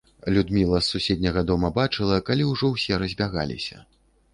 Людміла з суседняга дома бачыла, калі ўжо ўсе разбягаліся.